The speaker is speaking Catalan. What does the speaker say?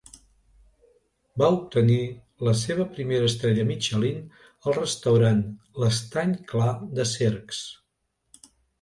Va obtenir la seva primera estrella Michelin al restaurant l'Estany clar de Cercs.